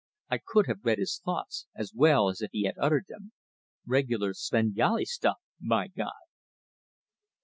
I could read his thoughts, as well as if he had uttered them: "Regular Svengali stuff, by God!"